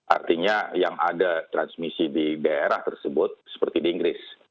artinya yang ada transmisi di daerah tersebut seperti di inggris